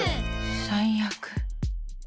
最悪。